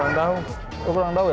kurang tahu oh kurang tahu ya